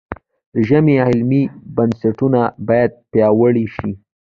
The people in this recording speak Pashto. د ژبې علمي بنسټونه باید پیاوړي شي.